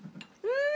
うん！